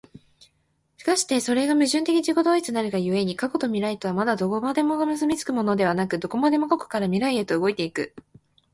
而してそれが矛盾的自己同一なるが故に、過去と未来とはまたどこまでも結び付くものでなく、どこまでも過去から未来へと動いて行く。